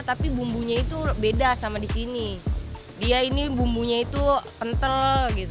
tapi bumbunya itu beda sama di sini dia ini bumbunya itu kental